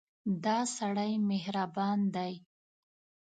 دا سړی مهربان دی.